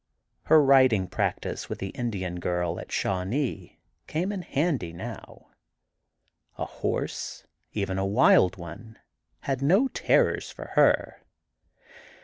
Her riding practice with the Indian girl at Shawnee came in handy now. A horse, even a wild one, had no terrors for her.